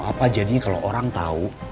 apa jadinya kalo orang tau